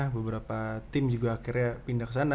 beberapa tim juga akhirnya pindah kesana